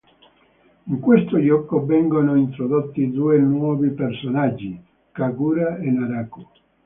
In questo gioco vengono introdotti due nuovi personaggi: Kagura e Naraku.